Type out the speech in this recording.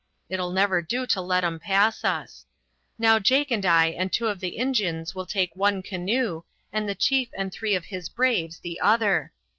It'll never do to let 'em pass us. Now Jake and I and two of the Injuns will take one canoe, and the chief and three of his braves the other.